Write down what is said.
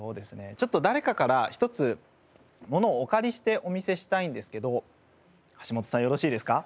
ちょっと誰かから一つものをお借りしてお見せしたいんですけど橋本さんよろしいですか？